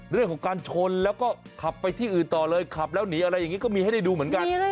เรื่องของการชนแล้วก็ขับไปที่อื่นต่อเลยขับแล้วหนีอะไรอย่างนี้ก็มีให้ได้ดูเหมือนกัน